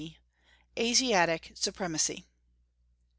C. ASIATIC SUPREMACY.